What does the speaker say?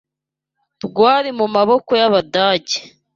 rwari mu maboko y’Abadage